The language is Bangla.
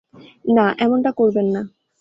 না, এমনটা করবেন না।